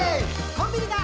「コンビニだ！